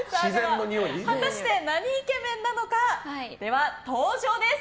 果たして何イケメンなのかでは、登場です。